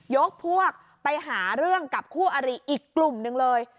ยกพวกไปหาเรื่องกับคู่อริอีกกลุ่มหนึ่งเลย